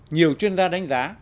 nhiều chuyên gia đánh giá